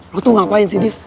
gue tuh ngapain sih div